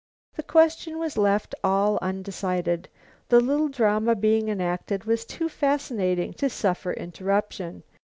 The question was left all undecided. The little drama being enacted was too fascinating to suffer interruption.